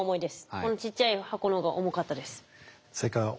このちっちゃい箱のが重かったです。